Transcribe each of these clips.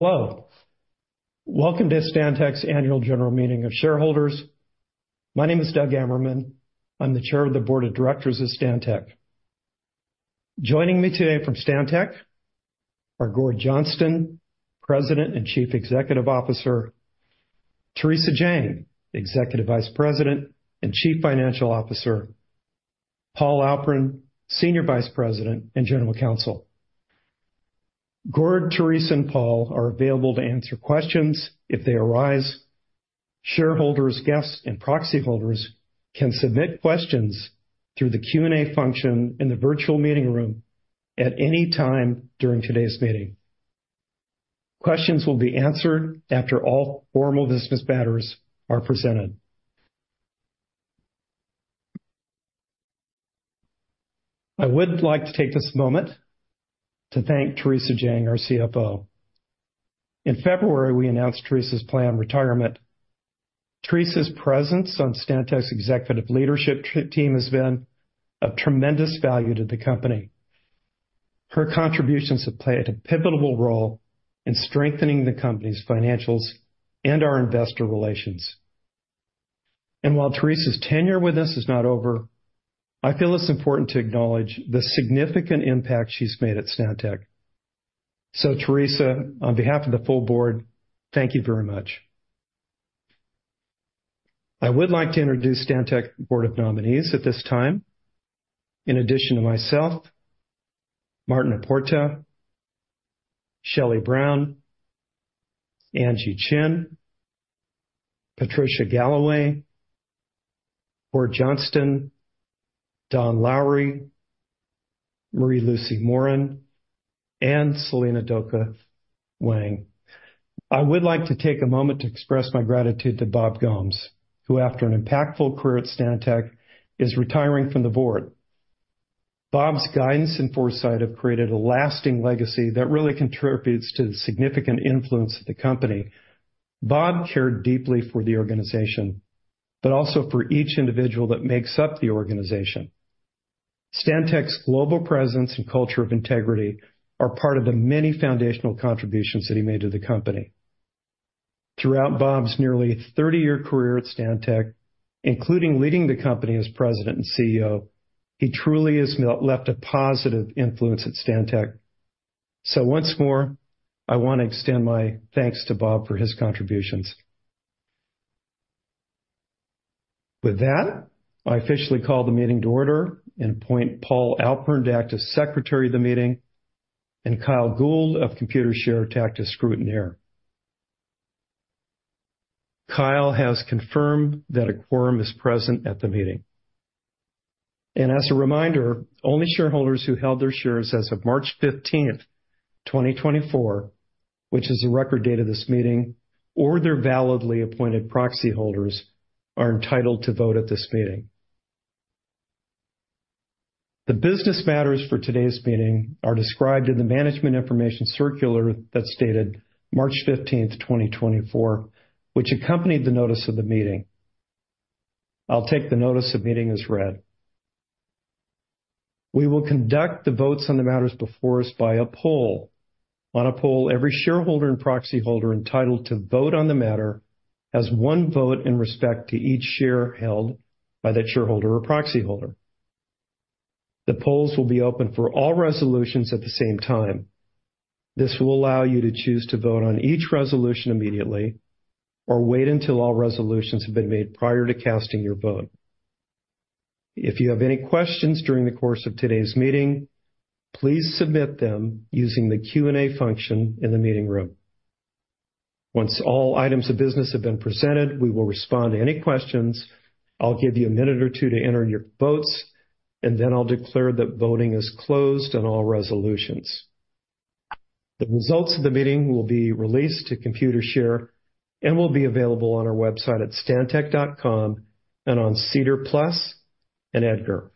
Hello, welcome to Stantec's Annual General Meeting of Shareholders. My name is Doug Ammerman. I'm the chair of the board of directors of Stantec. Joining me today from Stantec are Gord Johnston, President and Chief Executive Officer, Theresa Jang, Executive Vice President and Chief Financial Officer, Paul Alpern, Senior Vice President and General Counsel. Gord, Theresa, and Paul are available to answer questions if they arise. Shareholders, guests, and proxy holders can submit questions through the Q&A function in the virtual meeting room at any time during today's meeting. Questions will be answered after all formal business matters are presented. I would like to take this moment to thank Theresa Jang, our CFO. In February, we announced Theresa's planned retirement. Theresa's presence on Stantec's executive leadership team has been of tremendous value to the company. Her contributions have played a pivotal role in strengthening the company's financials and our investor relations. While Theresa's tenure with us is not over, I feel it's important to acknowledge the significant impact she's made at Stantec. Theresa, on behalf of the full board, thank you very much. I would like to introduce Stantec board of nominees at this time. In addition to myself, Martin à Porta, Shelley Brown, Angeline Chen, Patricia Galloway, Gord Johnston, Don Lowry, Marie-Lucie Morin, and Celina Wang Doka. I would like to take a moment to express my gratitude to Bob Gomes, who, after an impactful career at Stantec, is retiring from the board. Bob's guidance and foresight have created a lasting legacy that really contributes to the significant influence of the company. Bob cared deeply for the organization, but also for each individual that makes up the organization. Stantec's global presence and culture of integrity are part of the many foundational contributions that he made to the company. Throughout Bob's nearly 30-year career at Stantec, including leading the company as President and CEO, he truly has left a positive influence at Stantec. So once more, I want to extend my thanks to Bob for his contributions. With that, I officially call the meeting to order and appoint Paul Alpern to act as Secretary of the meeting, and Kyle Gould of Computershare to act as scrutineer. Kyle has confirmed that a quorum is present at the meeting. As a reminder, only shareholders who held their shares as of March 15, 2024, which is the record date of this meeting, or their validly appointed proxy holders, are entitled to vote at this meeting. The business matters for today's meeting are described in the management information circular that's dated March 15th, 2024, which accompanied the notice of the meeting. I'll take the notice of meeting as read. We will conduct the votes on the matters before us by a poll. On a poll, every shareholder and proxy holder entitled to vote on the matter has one vote in respect to each share held by that shareholder or proxy holder. The polls will be open for all resolutions at the same time. This will allow you to choose to vote on each resolution immediately or wait until all resolutions have been made prior to casting your vote. If you have any questions during the course of today's meeting, please submit them using the Q&A function in the meeting room. Once all items of business have been presented, we will respond to any questions. I'll give you a minute or two to enter your votes, and then I'll declare that voting is closed on all resolutions. The results of the meeting will be released to Computershare and will be available on our website at stantec.com and on SEDAR+ and EDGAR.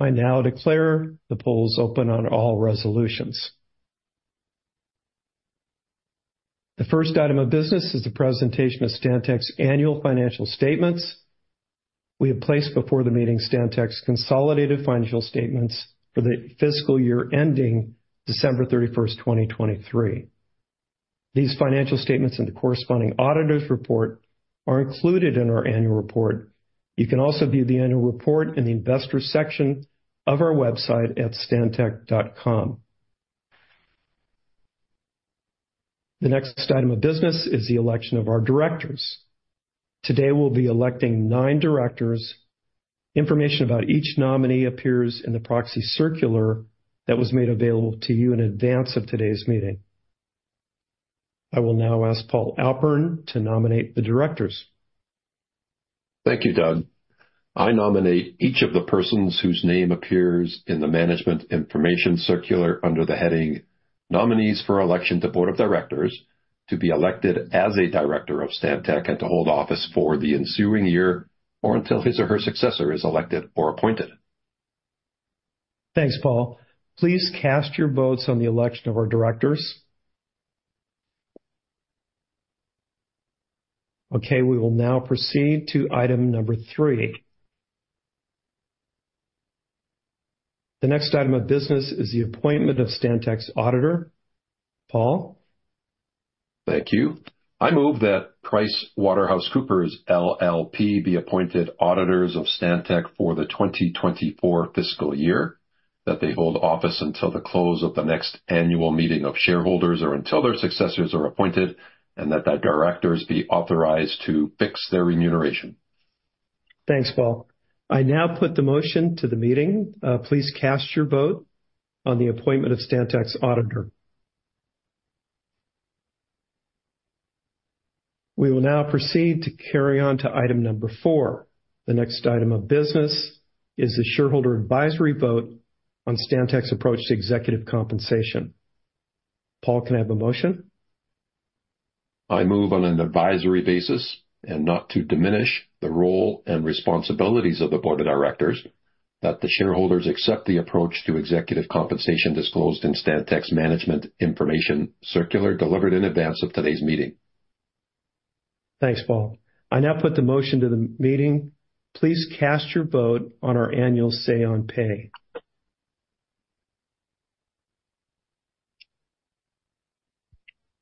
I now declare the polls open on all resolutions. The first item of business is the presentation of Stantec's annual financial statements. We have placed before the meeting Stantec's consolidated financial statements for the fiscal year ending December 31st, 2023. These financial statements and the corresponding auditor's report are included in our annual report. You can also view the annual report in the investor section of our website at stantec.com. The next item of business is the election of our directors. Today, we'll be electing nine directors. Information about each nominee appears in the proxy circular that was made available to you in advance of today's meeting. I will now ask Paul Alpern to nominate the directors. Thank you, Doug. I nominate each of the persons whose name appears in the Management Information Circular under the heading, "Nominees for Election to Board of Directors," to be elected as a director of Stantec and to hold office for the ensuing year or until his or her successor is elected or appointed. Thanks, Paul. Please cast your votes on the election of our directors.... Okay, we will now proceed to item number three. The next item of business is the appointment of Stantec's auditor. Paul? Thank you. I move that PricewaterhouseCoopers LLP be appointed auditors of Stantec for the 2024 fiscal year, that they hold office until the close of the next annual meeting of shareholders or until their successors are appointed, and that the directors be authorized to fix their remuneration. Thanks, Paul. I now put the motion to the meeting. Please cast your vote on the appointment of Stantec's auditor. We will now proceed to carry on to item number four. The next item of business is the shareholder advisory vote on Stantec's approach to executive compensation. Paul, can I have a motion? I move on an advisory basis and not to diminish the role and responsibilities of the board of directors, that the shareholders accept the approach to executive compensation disclosed in Stantec's management information circular, delivered in advance of today's meeting. Thanks, Paul. I now put the motion to the meeting. Please cast your vote on our annual say on pay.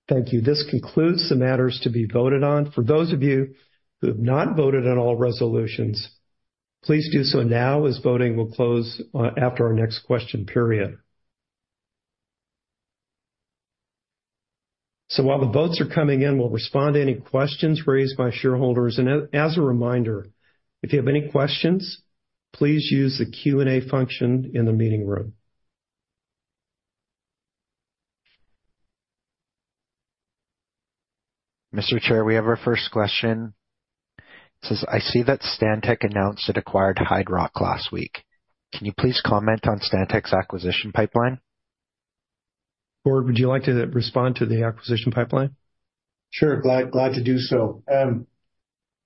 Thank you. This concludes the matters to be voted on. For those of you who have not voted on all resolutions, please do so now, as voting will close after our next question period. So while the votes are coming in, we'll respond to any questions raised by shareholders, and as a reminder, if you have any questions, please use the Q&A function in the meeting room. Mr. Chair, we have our first question. It says: I see that Stantec announced it acquired Hydrock last week. Can you please comment on Stantec's acquisition pipeline? Board, would you like to respond to the acquisition pipeline? Sure, glad to do so.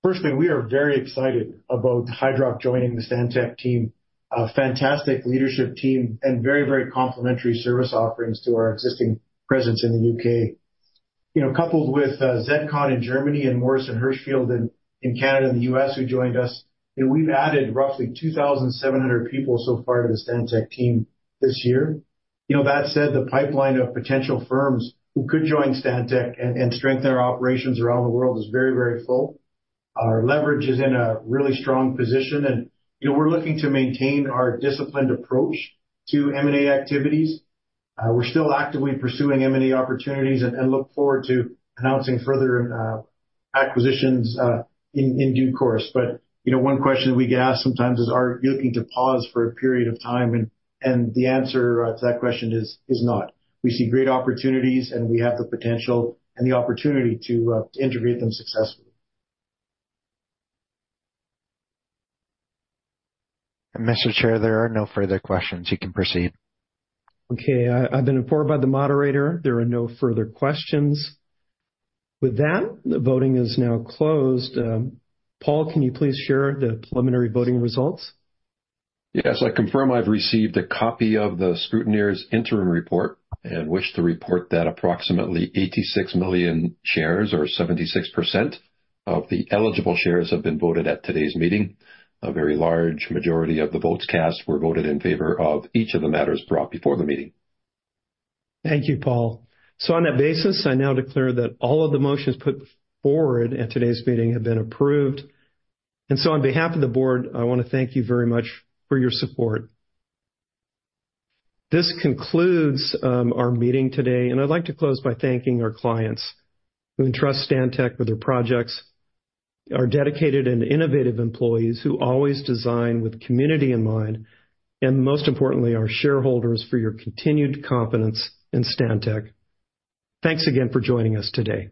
Firstly, we are very excited about Hydrock joining the Stantec team. A fantastic leadership team and very, very complementary service offerings to our existing presence in the U.K. You know, coupled with ZETCON in Germany and Morrison Hershfield in Canada and the U.S., who joined us, you know, we've added roughly 2,700 people so far to the Stantec team this year. You know, that said, the pipeline of potential firms who could join Stantec and strengthen our operations around the world is very, very full. Our leverage is in a really strong position, and, you know, we're looking to maintain our disciplined approach to M&A activities. We're still actively pursuing M&A opportunities and look forward to announcing further acquisitions in due course. But, you know, one question we get asked sometimes is, are you looking to pause for a period of time? And the answer to that question is not. We see great opportunities, and we have the potential and the opportunity to integrate them successfully. Mr. Chair, there are no further questions. You can proceed. Okay, I've been informed by the moderator there are no further questions. With that, the voting is now closed. Paul, can you please share the preliminary voting results? Yes, I confirm I've received a copy of the scrutineer's interim report and wish to report that approximately 86 million shares, or 76% of the eligible shares, have been voted at today's meeting. A very large majority of the votes cast were voted in favor of each of the matters brought before the meeting. Thank you, Paul. So on that basis, I now declare that all of the motions put forward at today's meeting have been approved. So on behalf of the board, I want to thank you very much for your support. This concludes our meeting today, and I'd like to close by thanking our clients who entrust Stantec with their projects, our dedicated and innovative employees, who always design with community in mind, and most importantly, our shareholders, for your continued confidence in Stantec. Thanks again for joining us today.